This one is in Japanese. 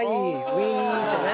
ウィンってね。